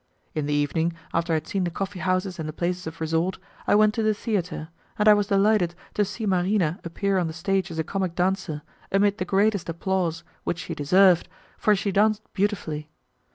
In the evening, after I had seen the coffee houses and the places of resort, I went to the theatre, and I was delighted to see Marina appear on the stage as a comic dancer, amid the greatest applause, which she deserved, for she danced beautifully.